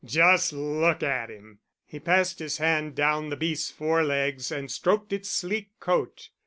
Just look at him." He passed his hand down the beast's forelegs and stroked its sleek coat.